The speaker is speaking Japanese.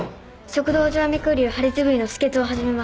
食道静脈瘤破裂部位の止血を始めます。